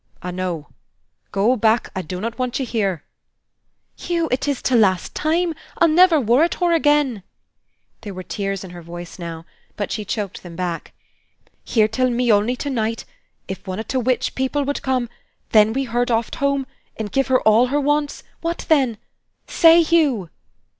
"I know. Go back! I do not want you here." "Hugh, it is t' last time. I'll never worrit hur again." There were tears in her voice now, but she choked them back: "Hear till me only to night! If one of t' witch people wud come, them we heard oft' home, and gif hur all hur wants, what then? Say, Hugh!"